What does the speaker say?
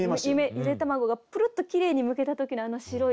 ゆで玉子がプルッときれいにむけた時のあの白い。